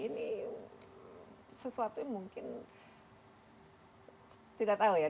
ini sesuatu yang mungkin tidak tahu ya